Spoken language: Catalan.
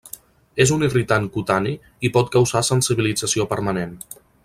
És un irritant cutani i pot causar sensibilització permanent.